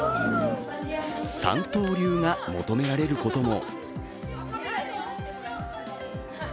三刀流が求められることも。